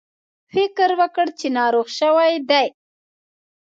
فکر وکړ چې ناروغ شوي دي.